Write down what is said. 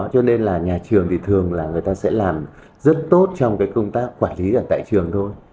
cho nên là nhà trường thì thường là người ta sẽ làm rất tốt trong cái công tác quản lý ở tại trường thôi